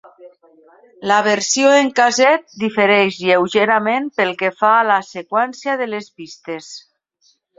La versió en casset difereix lleugerament pel que fa a la seqüència de les pistes.